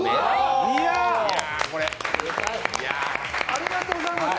ありがとうございます。